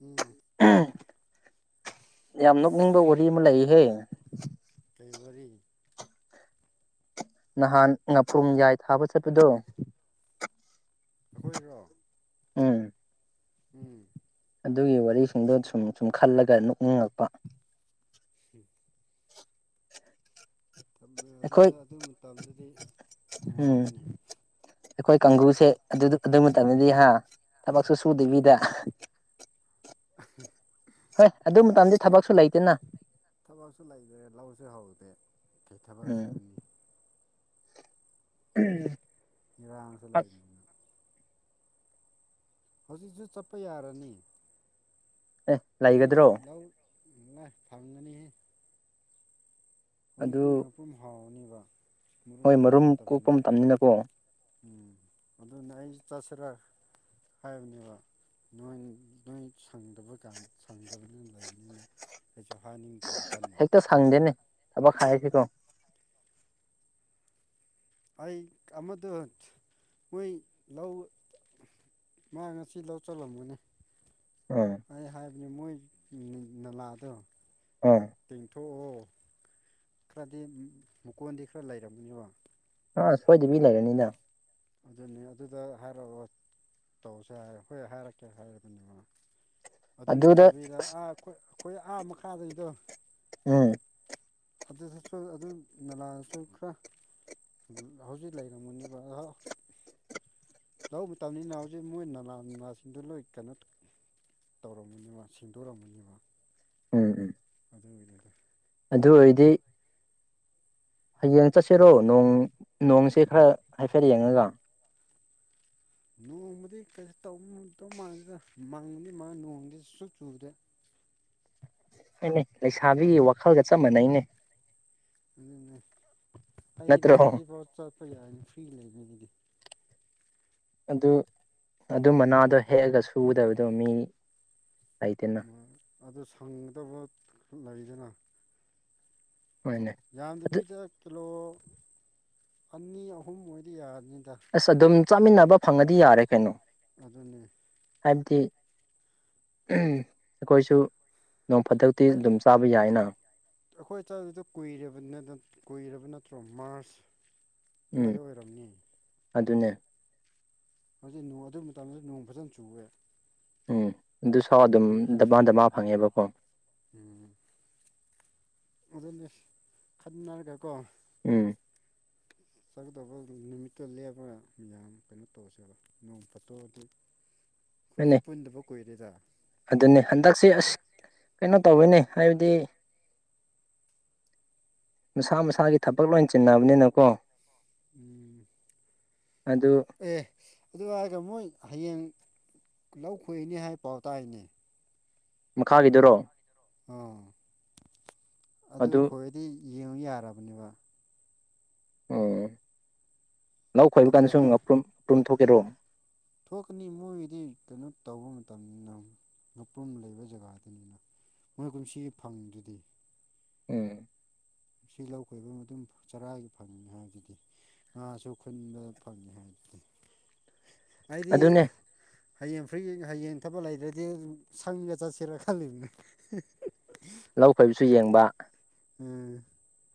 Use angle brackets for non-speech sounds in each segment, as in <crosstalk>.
ꯎꯝ ꯌꯥꯝ ꯑꯁ ꯅꯣꯛꯅꯤꯡꯕ ꯋꯥꯔꯤ ꯑꯃ ꯂꯩꯍꯦ ꯀꯩ ꯋꯥꯔꯤ ꯅꯍꯥꯟ ꯉꯥꯐ꯭ꯔꯨꯝ ꯌꯥꯢ ꯊꯥꯕ ꯆꯠꯄꯗꯣ ꯑꯈꯣꯢꯔꯣ ꯎꯝ ꯎꯝ ꯑꯗꯨꯒꯤ ꯋꯥꯔꯤꯁꯤꯡꯗꯣ ꯁꯨꯝ ꯁꯨꯝ ꯈꯜꯂꯒ ꯅꯣꯛꯅꯤꯡꯉꯛꯄ ꯎꯝ ꯑꯗꯨꯗ ꯑꯩꯈꯣꯏ ꯑꯗꯨꯗ ꯑꯗꯨ ꯃꯇꯝꯗꯗꯤ ꯅꯨꯉꯥꯢꯅꯤ ꯑꯩꯈꯣꯢ ꯀꯥꯡꯒꯨꯖꯦ ꯑꯗꯨꯗ ꯑꯗꯨ ꯃꯇꯝꯗꯗꯤ ꯍꯥ ꯊꯕꯛꯁꯨ ꯁꯨꯗꯕꯤꯗ <unintelligible> ꯍꯣꯢ ꯑꯗꯨ ꯑꯃꯨꯛ ꯃꯇꯝꯗꯤ ꯇꯞ ꯊꯕꯛꯁꯨ ꯂꯩꯇꯦꯅ ꯊꯕꯛꯁꯨ ꯂꯩꯇ꯭ꯔꯦ ꯂꯧꯁꯨ ꯍꯧꯗꯦ ꯀꯩꯊꯕꯛ ꯎꯝ ꯁꯨꯅꯤ ꯎꯝ ꯏꯔꯥꯥꯡꯉꯤꯗꯂꯩ ꯍꯧꯖꯤꯛ ꯆꯠꯄ ꯌꯥꯔꯅꯤ ꯑꯦ ꯍꯧꯖꯤꯛ ꯂꯩꯒꯗ꯭ꯔꯣ ꯂꯎꯥꯢꯅꯦ ꯐꯝꯅꯍ ꯍꯧꯖꯤꯛꯇꯤ ꯃꯄꯨꯝ ꯍꯥꯎꯔꯅꯤꯕ ꯍꯣꯢ ꯃꯔꯨꯝ ꯀꯣꯛꯄ ꯃꯇꯝꯅꯤꯅꯀꯣ ꯎꯝ ꯑꯗꯨꯅ ꯑꯩ ꯆꯠꯁꯤꯔ ꯍꯥꯢꯕꯅꯦꯕ ꯅꯣꯡ ꯅꯣꯢ ꯁꯪꯗꯕ ꯀꯥꯟ ꯁꯪꯗꯕꯅ ꯂꯩꯕꯅꯤꯅ ꯀꯩꯁꯨ ꯍꯥꯅꯤꯡꯗ꯭ꯔꯕ ꯀꯟꯅ ꯈꯪꯗꯦꯅꯦ ꯊꯥꯕ ꯈꯥꯢꯔꯛꯀꯦꯀꯣ ꯑꯩ ꯑꯃꯗꯣ ꯃꯣꯢ ꯂꯧ ꯃꯥ ꯉꯁꯤ ꯂꯧ ꯆꯜꯂꯝꯃꯣꯢꯅꯦ ꯎꯝ ꯑꯩ ꯍꯥꯢꯕꯅꯦ ꯃꯣꯢꯠ ꯅꯤ ꯅꯂꯥꯗꯣ ꯑꯥ ꯇꯦꯡꯊꯣꯛꯑꯣ ꯈꯔꯗꯤ ꯃꯨꯀꯣꯟꯗꯤ ꯈꯔ ꯂꯩꯔꯝꯒꯅꯤꯕ ꯑꯁ ꯁꯣꯢꯗꯕꯤ ꯂꯩꯔꯝꯅꯤꯅ ꯑꯗꯨꯅꯤ ꯑꯗꯨꯗ ꯍꯥꯏꯔꯔꯣꯢ ꯇꯧꯁꯦ ꯍꯥꯢꯔ ꯈꯣꯢ ꯍꯥꯢꯔꯛꯀꯦ ꯍꯥꯏꯔꯛꯑꯅꯪꯅꯕ ꯑꯗꯨ ꯑꯗꯨꯗ ꯅꯠꯇꯕꯤꯗ ꯑꯁ ꯑꯥꯈꯣꯢ ꯈꯣꯢ ꯑꯥ ꯃꯈꯥꯗꯒꯤꯗꯣ ꯑꯦ ꯑꯗꯨꯗꯁꯨ ꯑꯗꯨ ꯅꯂꯥꯗꯨꯁꯨ ꯈꯔ ꯎꯝ ꯍꯧꯖꯤꯛ ꯂꯩꯔꯝꯃꯅꯤꯕ ꯑꯍꯥ ꯂꯧ ꯃꯇꯝꯅꯤꯅ ꯍꯧꯖꯤꯛ ꯃꯣꯏ ꯅꯂꯥ ꯅꯨꯡꯂꯥꯁꯤꯡꯗꯨ ꯂꯣꯏ ꯀꯩꯅꯣ ꯇꯧꯔꯝꯒꯅꯤꯕ ꯁꯦꯡꯗꯣꯔꯝꯒꯅꯦꯕ ꯎꯝ ꯎꯝ ꯑꯗꯨꯒꯤꯅꯤꯗ ꯑꯗꯨ ꯑꯣꯏꯔꯗꯤ ꯍꯌꯦꯡ ꯆꯠꯁꯤꯔꯣ ꯅꯣꯡ ꯅꯣꯡꯁꯦ ꯈꯔ ꯍꯥꯏꯐꯦꯠ ꯌꯦꯡꯉꯒ ꯅꯣꯡꯕꯨꯗꯤ ꯀꯩꯁꯨ ꯇꯧꯗꯧ ꯃꯥꯟꯗꯦꯗ ꯃꯪꯕꯗꯤ ꯃꯪꯉꯒ ꯅꯣꯡꯗꯤ ꯁꯨ ꯆꯨꯗꯦ ꯐꯩꯅꯦ ꯂꯩꯁꯥꯕꯤꯒꯤ ꯋꯥꯈꯜꯒ ꯆꯞ ꯃꯥꯟꯅꯩꯅꯦ ꯑꯗꯨꯅꯦ ꯑꯩꯗꯤ ꯅꯠꯇ꯭ꯔꯣ ꯉꯁꯤꯐꯥꯎ ꯆꯠꯄ ꯌꯥꯏꯅꯦ ꯐ꯭ꯔꯤ ꯂꯩꯅꯦ ꯑꯩꯗꯤ ꯑꯗꯨ ꯑꯗꯨ ꯃꯅꯥꯗꯣ ꯍꯦꯛꯑꯒ ꯁꯨꯒꯗꯕꯗꯣ ꯃꯤꯅꯤ ꯎꯝ ꯑꯗꯨ ꯁꯪꯒꯗꯕ ꯂꯩꯗꯅ ꯍꯣꯏꯅꯦ ꯑꯗꯨ ꯌꯥꯝꯗꯕꯤꯗ ꯀꯤꯂꯣ ꯑꯅꯤ ꯑꯍꯨꯝ ꯑꯣꯏꯗꯤ ꯌꯥꯔꯅꯤꯗ ꯑꯁ ꯑꯗꯨꯝ ꯆꯥꯃꯤꯟꯅꯕ ꯐꯪꯉꯗꯤ ꯌꯥꯔꯦ ꯀꯩꯅꯣ ꯑꯗꯨꯅꯦ ꯍꯥꯏꯕꯗꯤ ꯎꯝ ꯑꯈꯣꯏꯁꯨ ꯅꯣꯡ ꯐꯥꯗꯣꯛ ꯇꯤ ꯑꯗꯨꯝ ꯆꯥꯕ ꯌꯥꯏꯅ ꯑꯈꯣꯏ ꯆꯥꯗꯨꯏꯗꯣ ꯀꯨꯏꯔꯕ ꯅꯠ ꯀꯨꯏꯔꯕ ꯅꯠꯇ꯭ꯔꯣ ꯃꯥꯔꯁ ꯎꯝ ꯑꯗꯨꯋꯥꯏꯗ ꯑꯣꯏꯔꯝꯅꯤ ꯑꯗꯨꯅꯦ ꯍꯧꯖꯤꯛ ꯅꯣꯡ ꯑꯗꯨ ꯃꯇꯝꯗ ꯅꯣꯡ ꯐꯖꯅ ꯆꯨꯋꯦ ꯎꯝ ꯑꯗꯨ ꯁꯥ ꯑꯗꯨꯝ ꯗꯃꯥ ꯗꯃꯥ ꯐꯪꯉꯦꯕꯀꯣ ꯎꯝ ꯑꯗꯨꯅꯦ ꯈꯟꯅꯔꯒ ꯀꯣ ꯎꯝ ꯆꯠꯀꯗꯕ ꯅꯨꯃꯤꯠꯇꯣ ꯂꯦꯞꯄꯒ ꯃꯌꯥꯝ ꯀꯩꯅꯣ ꯇꯧꯁꯦꯕ ꯅꯣꯡ ꯐꯥꯇꯣꯛꯑꯗꯤ <unintelligible> ꯑꯈꯣꯏꯁꯨ ꯄꯨꯟꯗꯕ ꯀꯨꯏꯔꯦꯗ ꯑꯗꯨꯅꯦ ꯍꯟꯗꯛꯁꯦ ꯑꯁ ꯀꯩꯅꯣ ꯇꯧꯋꯦꯅꯦ ꯍꯥꯏꯕꯗꯤ ꯃꯁꯥ ꯃꯁꯥꯒꯤ ꯊꯕꯛ ꯂꯣꯏ ꯆꯤꯟꯅꯕꯅꯤꯅꯀꯣ ꯎꯝ ꯑꯗꯨ ꯑꯦ ꯑꯗꯨ ꯍꯥꯏꯔꯒ ꯃꯣꯏ ꯍꯌꯦꯡ ꯂꯧ ꯈꯣꯏꯅꯤ ꯍꯥꯏꯕ ꯄꯥꯎ ꯇꯥꯏꯅꯦ ꯃꯈꯥꯒꯤꯗꯨꯔꯣ ꯑꯥ ꯑꯗꯨ ꯈꯣꯏꯔꯗꯤ ꯌꯦꯡꯉꯨ ꯌꯥꯔꯕꯅꯦꯕ ꯎꯝ ꯂꯧ ꯈꯣꯏꯕ ꯀꯥꯟꯗꯁꯨ ꯅꯠꯇ꯭ꯔꯒ ꯉꯥꯄ꯭ꯔꯨꯝ ꯉꯥꯄ꯭ꯔꯨꯝ ꯊꯣꯛꯀꯦꯔꯣ ꯊꯣꯛꯀꯅꯤ ꯃꯣꯏꯗꯤ ꯀꯩꯅꯣ ꯇꯧꯕ ꯃꯇꯝꯅꯤꯅ ꯉꯥꯄ꯭ꯔꯨꯝ ꯂꯩꯕ ꯖꯒꯥꯗꯨꯅꯤꯅ ꯃꯣꯏ ꯀꯨꯝꯁꯤ ꯐꯪꯗꯨꯗꯤ ꯎꯝ ꯁꯤ ꯂꯧ ꯈꯣꯏꯕ ꯃꯇꯨꯡ ꯆꯔꯥꯒꯤ ꯐꯪꯉꯤꯅꯤ ꯍꯥꯏꯗꯨꯗꯤ ꯉꯥꯁꯨ ꯈꯨꯟꯕ ꯐꯪꯉꯦ ꯍꯥꯏꯕꯗꯨꯗꯤ ꯍꯥꯏꯗꯤ ꯑꯗꯨꯅꯦ ꯍꯌꯦꯡ ꯐ꯭ꯔꯤ ꯍꯌꯦꯡ ꯊꯕꯛ ꯂꯩꯇ꯭ꯔꯗꯤ ꯁꯪꯗ ꯆꯠꯁꯤꯔ ꯈꯜꯂꯤꯕꯅꯤ ꯂꯧ ꯈꯣꯏꯕꯁꯨ ꯌꯦꯡꯕ ꯎꯝ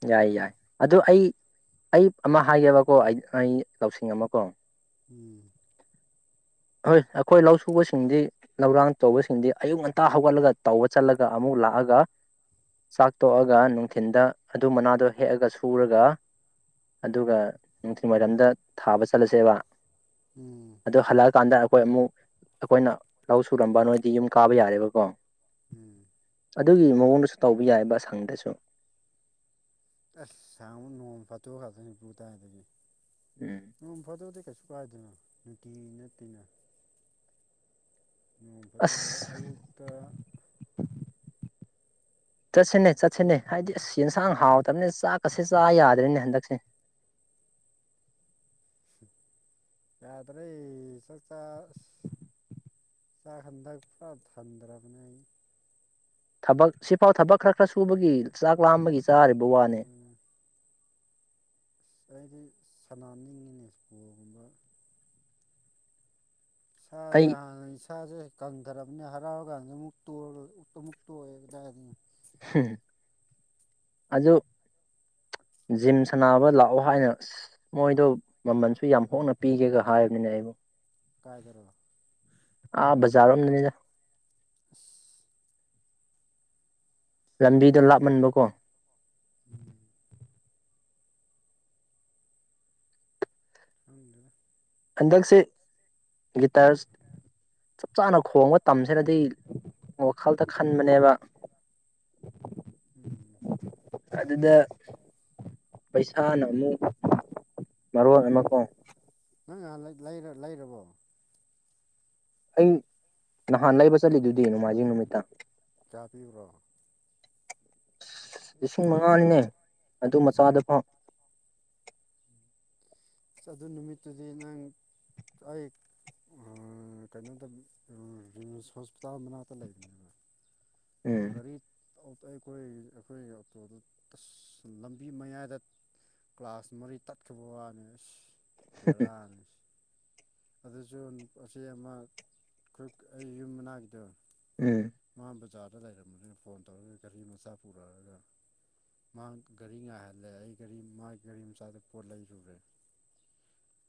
ꯌꯥꯏ ꯌꯥꯏ ꯑꯗꯨ ꯑꯩ ꯑꯩ ꯑꯃ ꯍꯥꯏꯒꯦꯕꯀꯣ ꯑꯩ ꯑꯩ ꯂꯧꯁꯤꯡ ꯑꯃ ꯀꯣ ꯎꯝ ꯍꯣꯏ ꯑꯩꯈꯣꯏ ꯂꯧ ꯁꯨꯕꯁꯤꯡꯗꯤ ꯂꯧꯔꯥꯡ ꯇꯧꯕꯁꯤꯡꯗꯤ ꯑꯌꯨꯛ ꯉꯟꯇꯥ ꯍꯧꯒꯠꯂꯒ ꯇꯧꯕ ꯆꯠꯂꯒ ꯑꯃꯨꯛ ꯂꯥꯛꯑꯒ ꯆꯥꯛ ꯇꯣꯛꯑꯒ ꯅꯨꯡꯊꯤꯟꯗ ꯑꯗꯨ ꯃꯅꯥꯗꯣ ꯍꯦꯛꯑꯒ ꯁꯨꯔꯒ ꯑꯗꯨꯒ ꯅꯨꯡꯊꯤꯜꯋꯥꯏꯔꯝꯗ ꯊꯥꯕ ꯆꯠꯂꯁꯦꯕ ꯎꯝ ꯑꯗꯨ ꯍꯜꯂꯛꯑꯀꯥꯟꯗ ꯑꯩꯈꯣꯏ ꯑꯃꯨꯛ ꯑꯩꯈꯣꯏꯅ ꯂꯧ ꯁꯨꯔꯝꯕ ꯅꯣꯏꯗꯤ ꯌꯨꯝ ꯀꯥꯕ ꯌꯥꯔꯦꯕꯀꯣ ꯎꯝ ꯑꯗꯨꯒꯤ ꯃꯑꯣꯡꯗꯨꯁꯨ ꯇꯧꯕ ꯌꯥꯏꯑꯦꯕ ꯁꯪꯗꯁꯨ ꯑꯁ <unintelligible> ꯅꯣꯡꯃ ꯐꯇꯣꯛ ꯈꯥꯛꯇꯅꯤ ꯄꯨꯡ ꯇꯥꯗꯒꯤ ꯎꯝ ꯅꯣꯡ ꯐꯥꯗꯣꯛꯗꯤ ꯀꯩꯁꯨ ꯀꯥꯏꯗꯦꯅ ꯅꯨꯡꯇꯤꯒꯤ ꯅꯠꯇꯦꯅ ꯅꯣꯡ ꯐꯗꯣꯛ ꯑꯁ ꯑꯌꯨꯛꯇ ꯆꯠꯁꯤꯅꯦ ꯆꯠꯁꯤꯅꯦ ꯍꯥꯏꯗꯤ ꯑꯁ ꯌꯦꯟꯁꯥꯡ ꯍꯥꯎꯇꯕꯅꯤ ꯆꯥꯛ ꯀꯁꯦ ꯆꯥ ꯌꯥꯗ꯭ꯔꯦꯅꯦ ꯍꯟꯗꯛꯁꯦ ꯌꯥꯗꯔꯦ ꯆꯥꯛꯆꯥ ꯑꯁ ꯆꯥꯛ ꯍꯟꯗꯛ ꯄꯨꯔꯥ ꯊꯟꯗ꯭ꯔꯕꯅꯦ ꯑꯩ ꯊꯕꯛ ꯁꯤꯐꯥꯎ ꯊꯕꯛ ꯈꯔ ꯈꯔ ꯁꯨꯕꯒꯤ ꯆꯥꯛ ꯂꯥꯝꯕꯒꯤ ꯆꯥꯔꯤꯕ ꯑꯗꯨꯅ ꯑꯁ ꯋꯥꯅꯦ ꯑꯩꯗꯤ ꯁꯅꯥꯅꯤꯡꯉꯤꯅꯦ ꯏꯁꯄꯣꯒꯨꯝꯕ ꯏꯁꯥꯖꯦ ꯑꯩ ꯍꯥꯟꯅ ꯏꯁꯥꯁꯦ ꯀꯪꯈ꯭ꯔꯕꯅꯤꯅ ꯍꯔꯥꯎꯔꯀꯥꯟꯗ ꯑꯃꯨꯛ ꯑꯃꯨꯛ ꯇꯣꯛꯑꯦ ꯀꯗꯥꯏꯗꯩꯅꯣ ꯑꯗꯨ ꯖꯤꯝ ꯁꯥꯟꯅꯕ ꯂꯥꯛꯑꯣ ꯍꯥꯏꯅ ꯑꯁ ꯃꯣꯏꯗꯣ ꯃꯃꯜꯁꯨ ꯌꯥꯝ ꯍꯣꯡꯅ ꯄꯤꯒꯦꯒ ꯍꯥꯏꯕꯅꯤꯅꯦ ꯑꯩꯕꯨ ꯀꯥꯏꯗꯔꯣ ꯑꯥ ꯕꯖꯥꯔ ꯔꯣꯝꯗꯅꯤꯗ ꯑꯁ ꯂꯝꯕꯤꯗꯣ ꯂꯥꯞꯃꯟꯕꯀꯣ ꯎꯝ ꯈꯪꯗ꯭ꯔꯦꯗ ꯍꯟꯗꯛꯁꯦ ꯂꯤꯇꯥꯔꯁ ꯆꯞ ꯆꯥꯅ ꯈꯣꯡꯕ ꯇꯝꯁꯤꯅꯗꯤ ꯋꯥꯈꯜꯗ ꯈꯟꯕꯅꯦꯕ <inaudible> ꯎꯝ ꯑꯗꯨꯗ ꯄꯩꯁꯥꯅ ꯑꯃꯨꯛ ꯃꯔꯣꯟ ꯑꯃ ꯀꯣ ꯅꯪ ꯉꯍꯥꯟ ꯂꯩꯔ ꯂꯩꯔꯕꯣ ꯑꯩ ꯅꯍꯥꯟ ꯂꯩꯕ ꯆꯠꯂꯤꯗꯨꯗꯤ ꯅꯣꯡꯃꯥꯏꯖꯤꯡ ꯅꯨꯃꯤꯠꯇ ꯀꯌꯥ ꯄꯤꯕ꯭ꯔꯣ ꯂꯤꯁꯤꯡ ꯃꯉꯥꯅꯤꯅꯦ ꯑꯗꯨ ꯃꯆꯥꯗꯣ ꯐꯥꯎ ꯑꯁ ꯑꯗꯨ ꯅꯨꯃꯤꯠꯇꯨꯗꯤ ꯅꯪ ꯑꯩ ꯑ ꯀꯩꯅꯣꯗ ꯔꯤꯝꯁ ꯍꯣꯁꯄꯤꯇꯥꯜ ꯃꯅꯥꯛꯇ ꯂꯩꯕꯅꯦꯕ ꯎꯝ ꯒꯥꯔꯤ ꯑꯩꯈꯣꯏ ꯑꯩꯈꯣꯏꯒꯤ ꯑꯣꯇꯣꯗꯨ ꯑꯁ ꯂꯝꯕꯤ ꯃꯌꯥꯏꯗ ꯀ꯭ꯂꯥꯁ ꯃꯔꯤ ꯇꯠꯈꯤꯕ ꯋꯥꯅꯦ ꯑꯁ ꯕꯦꯔꯥꯅꯦ ꯑꯗꯨꯁꯨ ꯑꯁꯤ ꯑꯃ ꯈꯨꯛ ꯑꯩ ꯌꯨꯝ ꯃꯅꯥꯒꯤꯗꯣ ꯎꯝ ꯃꯥ ꯕꯖꯥꯔꯗ ꯂꯩꯔꯝꯕꯅꯤꯅ ꯐꯣꯟ ꯇꯧꯔꯒ ꯒꯥꯔꯤ ꯃꯆꯥ ꯄꯨꯔꯛꯑꯒ ꯃꯥ ꯒꯥꯔꯤ ꯉꯥꯏꯍꯜꯂꯦ ꯑꯩ ꯒꯥꯔꯤ ꯃꯥꯒꯤ ꯒꯥꯔꯤ ꯃꯆꯥꯗ ꯄꯣꯠ ꯂꯩꯔꯨꯔꯦ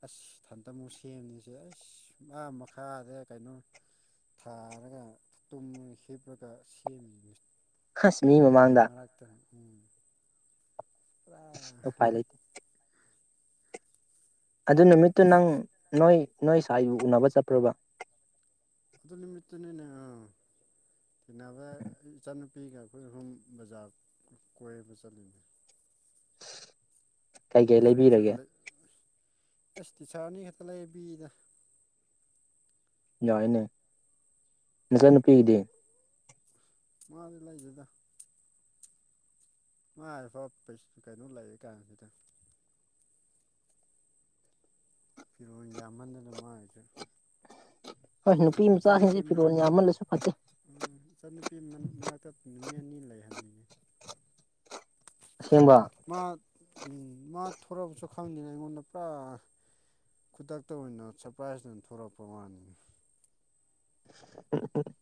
ꯑꯁ ꯊꯟꯗ ꯑꯃꯨꯛ ꯁꯦꯝꯅꯤꯁꯦ ꯑꯩꯁ ꯑꯥ ꯃꯈꯥꯗ ꯀꯩꯅꯣ ꯊꯥꯔꯒ ꯇꯨꯝꯃ ꯍꯤꯞꯄꯒ ꯁꯦꯝꯃꯤꯁ ꯑꯁ ꯃꯤ ꯃꯌꯥ ꯃꯃꯥꯡꯗ ꯃꯔꯛꯇ ꯎꯝ ꯎꯄꯥꯏ ꯂꯩꯇꯦ <inaudible> ꯑꯗꯨ ꯅꯨꯃꯤꯠꯇꯨ ꯑꯁ ꯅꯪ ꯑꯁ ꯅꯣꯏ ꯅꯣꯏ ꯏꯁꯋꯥꯏ ꯎꯅꯕꯥ ꯆꯠꯄ꯭ꯔꯣꯕ ꯑꯗꯨ ꯅꯨꯃꯤꯠꯇꯅꯦ ꯅꯦ ꯍꯥ ꯎꯟꯅꯅꯕ ꯏꯆꯥꯟꯅꯨꯄꯤꯒ ꯑꯩꯈꯣꯏ ꯑꯍꯨꯝ ꯕꯖꯥꯔꯗ ꯀꯣꯏꯕ ꯆꯠꯂꯤ ꯀꯩꯀꯩ ꯐꯨꯔꯤꯠ ꯁꯨ ꯂꯩꯕꯤꯔꯒꯦ ꯂꯩ ꯑꯁ ꯇꯤꯁꯔꯅꯤ ꯈꯛꯇ ꯂꯩꯕꯤꯗ ꯌꯥꯏꯅꯦ ꯅꯆꯟ ꯅꯨꯨꯄꯤꯒꯤꯗꯤ ꯃꯥꯗꯤ ꯂꯩꯗꯦꯗ ꯃꯥꯏ <inaudible> ꯀꯩꯅꯣ ꯂꯩꯌꯦ ꯀꯥꯏꯁꯤꯗ ꯐꯤꯔꯣꯟ ꯌꯥꯝꯃꯟꯗꯅ ꯃꯥꯏꯁꯨ ꯍꯣꯏ ꯅꯨꯄꯤ ꯃꯆꯥꯁꯤꯡꯁꯦ ꯐꯤꯔꯣꯜ ꯌꯥꯝꯃꯜꯂꯁꯨ ꯐꯠꯇꯦ ꯎꯝ ꯏꯆꯟꯅꯨꯄꯤ ꯃꯅꯥꯛꯇ ꯅꯨꯃꯤꯠ ꯑꯅꯤ ꯂꯩ ꯍꯥꯏꯕꯅꯤꯅ° ꯑꯁꯦꯡꯕ ꯃꯥ ꯎ ꯃꯥ ꯊꯣꯔꯛꯑꯕꯁꯨ ꯈꯪꯗꯦꯅ ꯑꯩꯉꯣꯟꯗ ꯄꯨꯔꯥ ꯈꯨꯗꯛꯇ ꯑꯣꯏꯅ ꯁꯔꯄ꯭ꯔꯥꯏꯖꯇ ꯑꯣꯏꯅ ꯊꯣꯛꯂꯛꯄ ꯋꯥꯅꯤꯅꯤ <inaudible>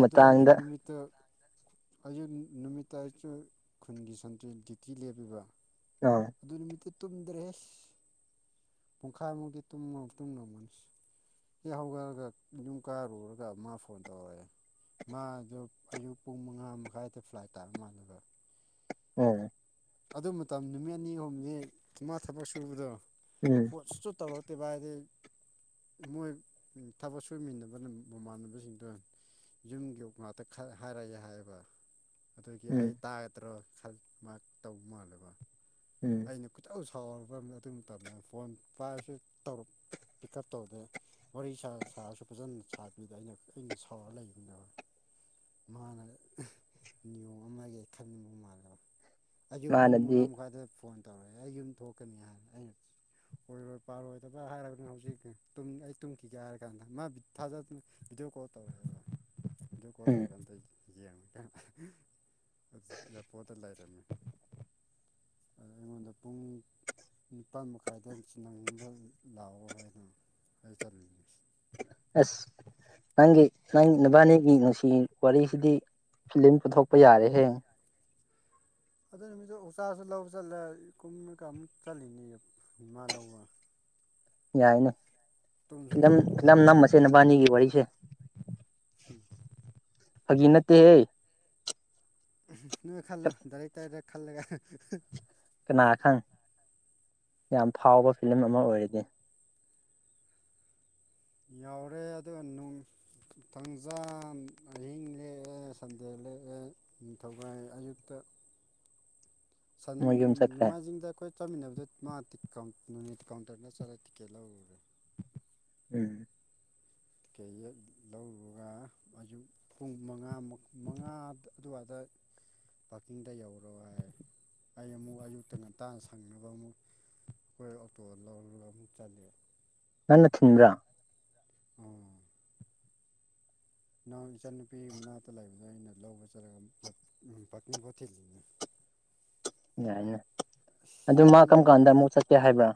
ꯑꯗꯨ ꯑꯌꯨꯛ ꯅꯨꯃꯤꯠꯇꯨ ꯑꯌꯨꯛ ꯅꯨꯃꯤꯠꯇ ꯑꯩꯁꯨ ꯈꯨꯟꯒꯤ ꯁꯟꯇ꯭ꯔꯦꯜ ꯗ꯭ꯌꯨꯇꯤ ꯂꯦꯞꯄꯤꯕ ꯑꯩ ꯑꯗꯨ ꯅꯨꯃꯤꯠꯇꯨ ꯇꯨꯝꯗ꯭ꯔꯦ ꯐꯩꯁ ꯄꯨꯡꯈꯥꯏꯃꯨꯛꯇꯤ ꯇꯨꯝꯃ ꯃꯇꯨꯡ ꯇꯨꯔꯝꯒꯅꯤ ꯍꯦꯛ ꯍꯧꯒꯠꯂꯒ ꯌꯨꯝ ꯀꯥꯔꯨꯔꯒ ꯃꯥ ꯐꯣꯟ ꯇꯧꯔꯛꯑꯦ ꯃꯥꯗꯣ ꯑꯌꯨꯛ ꯄꯨꯡ ꯃꯉꯥ ꯃꯈꯥꯏꯗ ꯐ꯭ꯂꯥꯏꯠ ꯇꯥꯕ ꯃꯥꯥꯟꯂ°ꯕ ꯎꯝ ꯑꯗꯨ ꯃꯇꯝ ꯅꯨꯃꯤꯠ ꯅꯤ ꯑꯍꯨꯝꯅꯤ ꯏꯃꯥ ꯊꯕꯛ ꯁꯨꯕꯗꯣ ꯎꯝ ꯄꯣꯠꯁꯨ ꯇꯧꯔꯛꯇꯦꯚ ꯍꯥꯏꯗꯤ ꯃꯣꯏ ꯊꯕꯛ ꯁꯨꯃꯤꯟꯅꯕꯅ ꯃꯃꯥꯟꯅꯕꯁꯤꯡꯗꯣ ꯌꯨꯝꯒꯤ ꯌ ꯉꯥꯛꯇ ꯍꯥꯏꯔꯛꯑꯦ ꯍꯥꯏꯌꯦꯕ ꯑꯗꯨꯒꯤ ꯎꯝ ꯑꯩ ꯇꯥꯒꯗ꯭ꯔꯣ ꯈꯟ ꯃꯥ ꯇꯧꯕ ꯃꯥꯜꯂꯦꯕ ꯎꯝ ꯑꯩꯅ ꯈꯨꯏꯗꯧ ꯁꯥꯎꯔꯕ ꯑꯗꯨ ꯃꯇꯝꯗ ꯐꯣꯟ ꯄꯥꯏꯔꯁꯨ ꯇꯧꯔ ꯄꯤꯛ ꯎꯞ ꯇꯧꯗꯦ ꯋꯥꯔꯤ ꯁꯥꯔꯁꯨ ꯐꯖꯅ ꯁꯥꯕꯤꯗ ꯑꯩꯅ ꯀꯨꯏꯅ ꯁꯥꯎꯔꯒ ꯂꯩꯕꯅꯦꯕ ꯃꯥꯅ ꯅꯤꯌꯣꯝ ꯑꯃꯒꯤ ꯈꯡꯅꯤꯡꯕ ꯃꯥꯜꯂ°ꯕ ꯑꯌꯨꯛ ꯄꯨꯡ ꯃꯉꯥ ꯃꯥꯅꯗꯤ ꯃꯈꯥꯏꯗ ꯐꯣꯟ ꯇꯧꯔꯛꯑꯦ ꯑꯩ ꯌꯨꯝ ꯊꯣꯛꯀꯅꯤ ꯍꯥꯏꯅ ꯑꯩꯅ ꯀꯣꯏꯔꯣꯏ ꯄꯥꯜꯔꯣꯏꯗꯕ ꯍꯥꯏꯔꯕꯅꯤ ꯍꯧꯖꯤꯛ ꯑꯩ ꯇꯨꯝꯈꯤꯒꯦ ꯍꯥꯏꯔ ꯀꯥꯟꯗ ꯃꯥ ꯊꯥꯖꯗꯅ ꯚꯗꯤꯑꯣ ꯀꫭꯟ ꯇꯧꯔꯛꯑꯦꯕ <inaudible> ꯕꯤꯗꯤ ꯑꫭꯀꯣ ꯎꯝ ꯇꯧꯔ ꯀꯥꯟꯗ ꯌꯦꯡꯉꯀꯥꯟꯗ ꯏꯌꯥꯔꯄꯣꯠꯇ ꯂꯩꯔꯝꯃꯦ ꯑꯩꯉꯣꯟꯗ ꯄꯨꯡ ꯅꯤꯄꯥꯥꯟ ꯃꯈꯥꯏꯗ ꯆꯤꯟꯅꯅꯤꯡꯕ ꯂꯥꯛꯑꯣ ꯍꯥꯏꯅ ꯑꯩ <inaudible> ꯑꯁ ꯅꯪꯒꯤ ꯅꯪ ꯅꯕꯥꯅꯤꯒꯤ ꯅꯨꯡꯁꯤ ꯋꯥꯔꯤꯁꯤꯗꯤ ꯐꯤꯂꯝ ꯄꯨꯊꯣꯛꯄ ꯌꯥꯔꯦꯍꯦ ꯑꯗꯨ ꯅꯨꯃꯤꯠꯇꯣ ꯎꯆꯥꯁꯨ ꯂꯧꯕ ꯆꯠꯂꯦ ꯀꯨꯝꯅ ꯀꯝ ꯆꯠꯂꯤꯅꯤ ꯏꯃꯥ ꯂꯧꯕ ꯌꯥꯏꯅꯦ ꯇꯨꯝꯁꯨ ꯐꯤꯂꯝ ꯇꯨꯝꯗ꯭ꯔꯦ ꯑꯗꯨ ꯅꯝ ꯅꯝꯃꯁꯦ ꯅꯕꯥꯅꯤꯒꯤ ꯋꯥꯔꯤꯁꯦ ꯍꯨꯡ ꯐꯥꯒꯤ ꯅꯠꯇꯦꯍꯦ ꯅꯣꯏ ꯈꯜꯂꯣ ꯗꯥꯏꯔꯦꯛ ꯇꯥꯔꯦ ꯈꯜꯂꯒ ꯀꯅꯥ ꯈꯪ ꯌꯥꯝ ꯐꯥꯎꯕ ꯐꯤꯂꯝ ꯑꯃ ꯑꯣꯏꯔꯗꯤ ꯌꯥꯎꯔꯦ ꯑꯗꯨꯒ ꯅꯨꯡ ꯊꯪꯖꯥꯟ ꯑꯍꯤꯡ ꯂꯦꯛꯑꯦ ꯁꯟꯗꯦꯜ ꯂꯦꯛꯑꯦ ꯅꯤꯡꯊꯧꯀꯥꯏ ꯑꯌꯨꯛꯇ ꯁꯟ ꯃꯣꯏ ꯌꯨꯝ ꯆꯠꯈ꯭ꯔꯦ ꯅꯣꯡꯃꯥꯏꯖꯤꯡꯗ ꯑꯩꯈꯣꯏ ꯆꯠꯃꯤꯟꯅꯕꯗ ꯃꯥ ꯀꯥꯎꯟꯠ ꯅ ꯅꯦꯠ ꯀꯥꯎꯟꯇꯔꯗ ꯆꯠꯂꯒ ꯇꯤꯛꯀꯦꯠ ꯂꯧꯔꯨꯔꯦ ꯎꯝ ꯀꯩ ꯍꯦꯛ ꯂꯧꯔꯨꯔꯥ ꯑꯌꯨꯛ ꯄꯨꯡ ꯃꯉꯥ ꯃꯛ ꯃꯉꯥ ꯑꯗꯨꯋꯥꯏꯗ ꯄꯥꯀꯤꯡꯗ ꯌꯧꯔꯣ ꯍꯥꯏꯔꯦ ꯑꯩ ꯑꯃꯨꯛ ꯑꯌꯨꯛꯇ ꯉꯟꯇꯥ ꯁꯪꯅꯕ ꯑꯃꯨꯛ ꯑꯩꯈꯣꯏ ꯑꯣꯇꯣ ꯂꯧꯔ ꯑꯃꯨꯛ ꯆꯠꯂꯦ ꯅꯟꯅ ꯊꯤꯟꯕ꯭ꯔꯥ ꯑꯣ ꯅꯪ ꯏꯆꯟꯅꯨꯄꯤꯒꯤ ꯃꯅꯥꯛꯇ ꯂꯩꯕꯗꯣ ꯑꯩꯅ ꯂꯧꯕ ꯆꯠꯂꯒ ꯎꯝ ꯄꯥꯛꯀꯤꯡꯕꯣꯠ ꯊꯤꯜꯂꯤꯅꯦ ꯌꯥꯏꯅꯦ ꯑꯗꯨ ꯑꯁ ꯃꯥ ꯀꯝ ꯀꯥꯟꯗ ꯅꯨꯃꯤꯠ ꯑꯃꯨꯛ ꯆꯠꯀꯦ ꯍꯥꯏꯕ꯭ꯔꯥ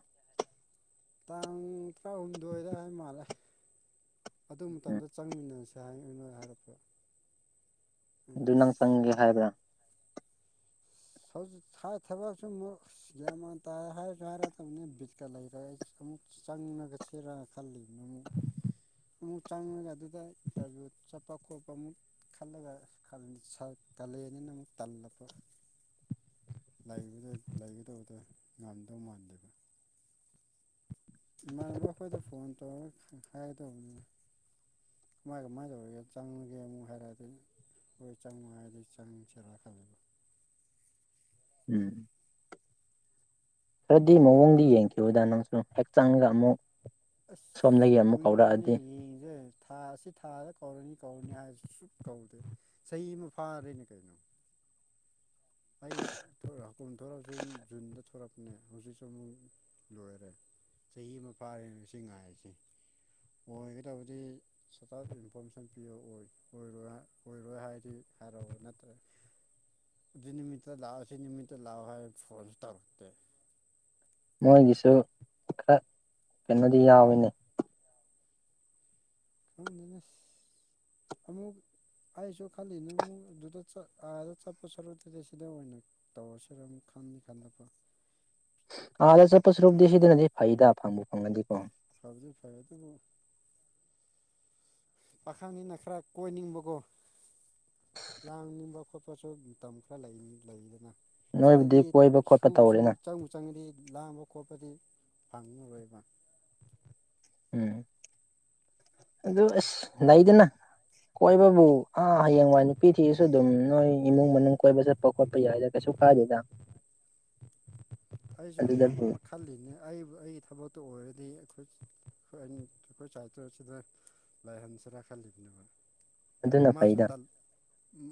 ꯇꯥꯡ ꯇꯔꯥꯍꯨꯝꯗꯣꯏꯗ ꯍꯥꯏ ꯃꯥꯜꯂꯦ ꯑꯗꯨ ꯎꯝ ꯃꯇꯝꯗ ꯆꯪꯃꯤꯟꯅꯁꯦ ꯗ ꯍꯥꯏ ꯅꯣꯏ ꯍꯥꯏꯔꯛꯄ꯭ꯔꯥ ꯑꯗꯨ ꯅꯪ ꯆꯪꯒꯦ ꯍꯥꯏꯕ꯭ꯔꯥ ꯍꯧꯖꯤꯛ ꯊꯥ ꯊꯕꯛꯁꯨ ꯃꯨꯛ ꯒ꯭ꯌꯥꯟ ꯃꯦꯟ ꯇꯥꯔꯦ ꯍꯥꯏꯔꯁꯨ ꯍꯥꯏꯔꯛꯇꯝꯅꯦ ꯕꯤꯠꯀ ꯂꯩꯇꯔꯦ ꯑꯩ ꯑꯃꯨꯛ ꯆꯪꯉꯒ ꯁꯤꯔꯥ ꯈꯜꯂꯤꯕꯅꯤꯅꯦ ꯑꯃꯨꯛ ꯆꯪꯉꯒ ꯑꯗꯨꯒ ꯏꯟꯇꯔꯚꯤꯌꯨ ꯆꯠꯄ ꯈꯣꯠꯄ ꯑꯃꯨꯛ ꯈꯜꯂꯒ ꯈꯜ ꯁꯠ ꯀꯥꯂꯦꯜꯅꯤꯅ ꯑꯃꯨꯛ ꯇꯜꯂꯛꯄ ꯂꯩꯕꯗꯤ ꯂꯩꯒꯗꯕꯗꯣ ꯉꯝꯗꯧ ꯃꯥꯟꯗꯦꯕ ꯏꯃꯥꯟꯅꯕ ꯑꯩꯈꯣꯏꯗ ꯐꯣꯟ ꯇꯧꯔꯒ ꯍꯥꯏꯒꯗꯧꯕꯅꯤꯅ ꯀꯃꯥꯏ ꯀꯃꯥꯏꯅ ꯇꯧꯔꯤꯒꯦ ꯆꯪꯉꯒꯦ ꯑꯃꯨꯛ ꯍꯥꯏꯔꯛꯑꯦ ꯑꯗꯨꯏꯅꯦ ꯑꯩꯈꯣꯏ ꯆꯪꯉꯨ ꯍꯥꯏꯔꯗꯤ ꯆꯪꯁꯤꯔꯥ ꯈꯜꯂꯤꯕꯥ ꯎꯝ ꯈꯔꯗꯤ ꯃꯑꯣꯡꯗꯤ ꯌꯦꯡꯈꯤꯕꯗ ꯅꯪꯁꯨ ꯍꯛꯆꯥꯡꯒ ꯑꯃꯨꯛ ꯑꯁ ꯁꯣꯝꯗꯒꯤ ꯑꯃꯨꯛ ꯀꯨꯏꯔꯕꯅꯦ ꯀꯧꯔꯛꯑꯗꯤ ꯌꯦꯡꯁꯦ ꯊꯥ ꯑꯁꯤ ꯊꯥꯗ ꯀꯧꯔꯅꯤ ꯀꯧꯔꯅꯤ ꯍꯥꯏꯔ ꯁꯨꯛ ꯀꯧꯗꯦ ꯆꯍꯤ ꯑꯃ ꯐꯥꯔꯦꯅꯦ ꯀꯩꯅꯣ ꯑꯩ ꯊꯣꯔꯛ ꯍꯥꯀꯨꯝ ꯊꯣꯔꯛꯑꯁꯨ ꯖꯨꯟꯗ ꯊꯣꯔꯛꯄꯅꯦ ꯍꯧꯖꯤꯛꯁꯨ ꯑꯃꯨꯛ ꯂꯣꯏꯔꯦ ꯆꯍꯤ ꯑꯃ ꯐꯥꯔꯦꯅ ꯁꯤ ꯉꯥꯏꯔꯤꯁꯦ ꯑꯣꯏꯒꯗꯕꯗꯤ ꯁꯇꯞ ꯏꯟꯐꯣꯔꯃꯦꯁꯟ ꯄꯤꯕ ꯑꯣꯏ ꯑꯣꯏꯔꯣꯏ ꯍꯥꯏ ꯑꯣꯏꯔꯣꯏ ꯍꯥꯏꯔꯗꯤ ꯍꯥꯏꯔꯛꯎ ꯅꯠꯇꯦ ꯑꯗꯨ ꯅꯨꯃꯤꯠꯇ ꯂꯥꯛꯑꯣ ꯁꯤ ꯅꯨꯃꯤꯠꯇ ꯂꯥꯛꯑꯣ ꯍꯥꯏ ꯐꯣꯟꯁꯨ ꯇꯧꯔꯛꯇꯦ ꯃꯣꯏꯒꯤꯁꯨ ꯈꯔ ꯀꯩꯅꯣꯗꯤ ꯌꯥꯎꯋꯤꯅꯦ ꯈꯪꯗꯦꯅꯁ ꯑꯃꯨꯛ ꯑꯩꯁꯨ ꯈꯜꯂꯤꯅꯦ ꯑꯃꯨꯛ ꯑꯗꯨꯗ ꯆꯠ ꯑꯥꯗ ꯆꯠꯄ ꯁꯔꯨꯛꯇꯗꯤ ꯁꯤꯗ ꯑꯣꯏꯅ ꯇꯧꯔꯁꯤꯔꯥ ꯑꯃꯨꯛ ꯈꯟꯅꯤ ꯈꯟꯅꯕ ꯑꯥꯗ ꯆꯠꯄ ꯁꯔꯨꯛꯇꯗꯤ ꯁꯤꯗꯅꯗꯤ ꯐꯩꯗ ꯐꯪꯕꯨ ꯐꯪꯉꯗꯤꯀꯣ <unintelligible> ꯄꯥꯈꯪꯅꯤꯅ ꯈꯔ ꯀꯣꯏꯅꯤꯡꯕꯀꯣ ꯂꯥꯡꯅꯤꯡꯕ ꯈꯣꯠꯄ ꯄꯣꯁꯨ ꯃꯇꯝ ꯈꯔ ꯂꯩꯗꯅ ꯅꯣꯏꯕꯨꯗꯤ ꯁꯤꯗꯗꯤ ꯀꯣꯏꯕ ꯈꯣꯠꯄ ꯁꯨꯕꯁꯨ ꯇꯧꯔꯦꯅ ꯆꯪ ꯆꯪꯉꯗꯤ ꯂꯥꯡꯕ ꯈꯣꯠꯄꯗꯤ ꯐꯪꯉꯔꯣꯏꯕ ꯎꯝ ꯑꯗꯨ ꯑꯁ ꯂꯩꯗꯅ ꯀꯣꯏꯕꯕꯨ ꯑꯥ ꯍꯌꯦꯡꯋꯥꯏ ꯅꯨꯄꯤ ꯊꯤꯔꯁꯨ ꯑꯗꯨꯝ ꯅꯣꯏ ꯏꯃꯨꯡ ꯃꯅꯨꯡ ꯀꯣꯏꯕ ꯆꯠꯄ ꯈꯣꯠꯄ ꯌꯥꯏꯗ ꯀꯩꯁꯨ ꯀꯥꯗꯦꯗ ꯑꯩꯁꯨ ꯈꯜꯂꯤꯅꯦ ꯑꯩꯕꯨ ꯑꯩꯒꯤ ꯊꯕꯛꯇꯣ ꯑꯣꯏꯔꯗꯤ ꯑꯩꯈꯣꯏ ꯑꯩꯈꯣꯏ ꯁꯥꯏꯗꯣ ꯑꯁꯤꯗ ꯂꯥꯏꯍꯟꯁꯤꯔ ꯈꯜꯂꯤꯕꯅꯦꯕ ꯑꯗꯨꯅ ꯃꯥꯁꯨ ꯐꯩꯗ ꯇꯜ